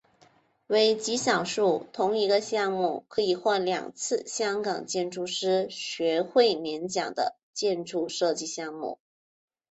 为极少数同一个项目可以获两次香港建筑师学会年奖的建筑设计项目。